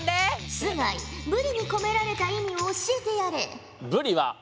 須貝ブリに込められた意味を教えてやれ。